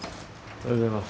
おはようございます。